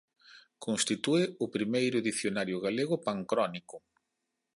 Constitúe o primeiro dicionario galego pancrónico.